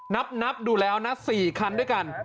นับดูแล้วนะ๔คันด้วยกัน